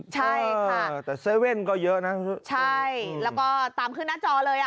ใช่ค่ะแต่เซเว่นก็เยอะนะใช่แล้วก็ตามขึ้นหน้าจอเลยอ่ะ